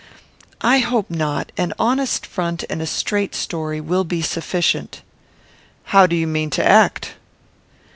"I hope not. An honest front and a straight story will be sufficient." "How do you mean to act?"